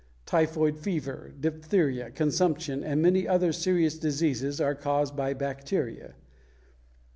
Typhoid fever, diphtheria, consumption, and many other serious diseases are caused by bacteria.